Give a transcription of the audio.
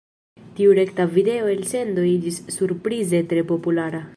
Tiu rekta video-elsendo iĝis surprize tre populara.